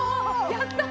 やったー！